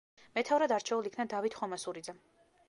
მეთაურად არჩეულ იქნა დავით ხომასურიძე.